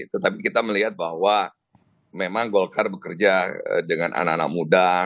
tetapi kita melihat bahwa memang golkar bekerja dengan anak anak muda